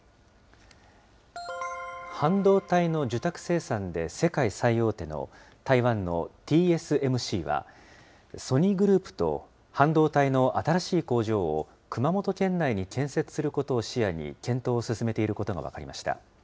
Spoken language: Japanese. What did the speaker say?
半導体の受託生産で世界最大手の台湾のＴＳＭＣは、ソニーグループと半導体の新しい工場を熊本県内に建設することを視野に検討を進めていることが分かりました。